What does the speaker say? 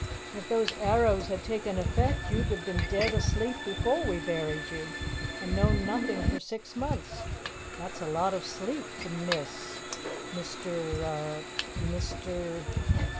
"If those arrows had taken effect, you'd have been dead asleep before we buried you, and known nothing for six months. That's a lot of sleep to miss, Mister er Mister?"